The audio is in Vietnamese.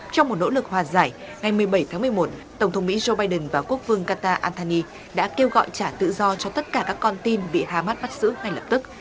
trong một nỗ lực hòa giải ngày một mươi bảy tháng một mươi một tổng thống mỹ joe biden và quốc vương qatar anthony đã kêu gọi trả tự do cho tất cả các con tin bị hamas bắt giữ ngay lập tức